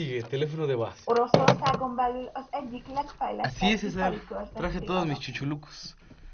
Oroszországon belül az egyik legfejlettebb ipari körzetté alakult.